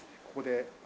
ここで。